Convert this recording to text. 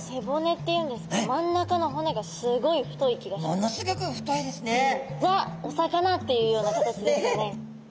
Ｔｈｅお魚っていうような形ですよね。